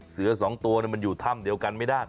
สองตัวมันอยู่ถ้ำเดียวกันไม่ได้